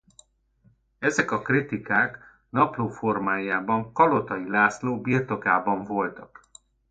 Ezek a kritikák napló formájában Kalotai László birtokában voltak.